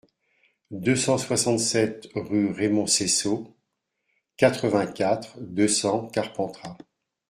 deux cent soixante-sept rue René Seyssaud, quatre-vingt-quatre, deux cents, Carpentras